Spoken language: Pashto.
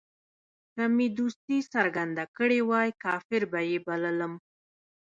که مې دوستي څرګنده کړې وای کافر به یې بللم.